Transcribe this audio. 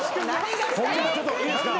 ちょっといいですか？